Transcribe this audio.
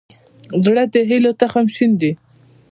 زړه د هيلو تخم شیندي.